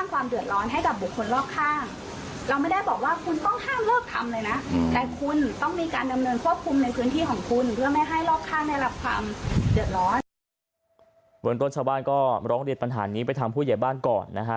ตอนนี้หน้าชาวบ้านก็ล้องเรียนปัญหานี้ไปทำผู้เหยียบบ้านก่อนนะฮะ